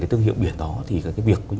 cái thương hiệu biển đó thì cái việc